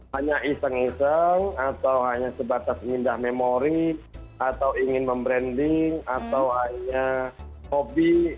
hanya iseng iseng atau hanya sebatas mindah memori atau ingin membranding atau hanya hobi